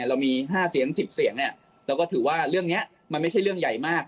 เรามี๕เสียง๑๐เสียงเราก็ถือว่าเรื่องนี้มันไม่ใช่เรื่องใหญ่มาก